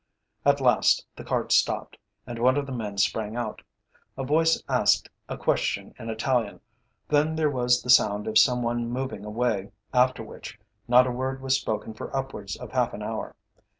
At last the cart stopped, and one of the men sprang out. A voice asked a question in Italian, then there was the sound of some one moving away, after which not a word was spoken for upwards of half an hour.